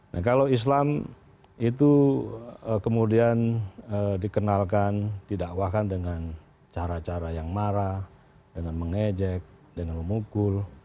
nah kalau islam itu kemudian dikenalkan didakwahkan dengan cara cara yang marah dengan mengejek dengan memukul